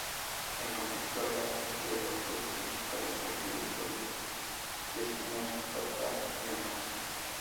El conflicto era entre los dos principales partidos palestinos, Fatah y Hamás.